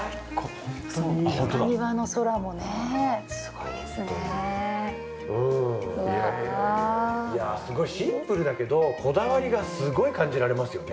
いやすごいシンプルだけどこだわりがすごい感じられますよね。